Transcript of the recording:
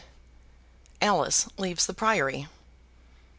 Alice Leaves the Priory.